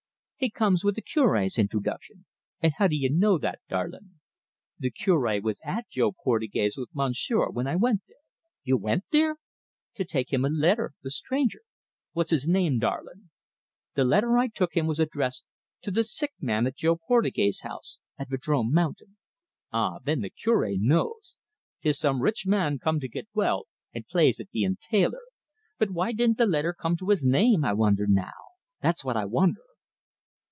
"He comes with the Cure's introduction." "An' how d'ye know that, darlin'?" "The Curb was at Jo Portugais' with monsieur when I went there." "You wint there!" "To take him a letter the stranger." "What's his name, darlin'?" "The letter I took him was addressed, 'To the Sick Man at Jo Portugais' House at Vadrome Mountain.'" "Ah, thin, the Cure knows. 'Tis some rich man come to get well, and plays at bein' tailor. But why didn't the letther come to his name, I wander now? That's what I wander."